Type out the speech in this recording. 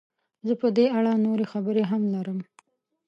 زه په دې اړه نورې خبرې هم لرم.